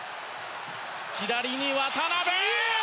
左に渡邊。